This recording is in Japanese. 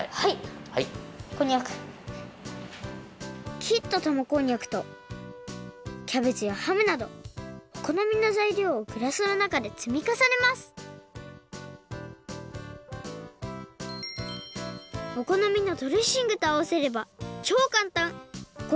きったたまこんにゃくとキャベツやハムなどおこのみのざいりょうをグラスのなかでつみかさねますおこのみのドレッシングとあわせればちょうかんたん！